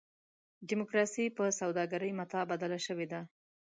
ډیموکراسي په سوداګرۍ متاع بدله شوې ده.